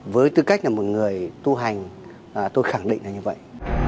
với tư cách là một người tu hành tôi khẳng định là như vậy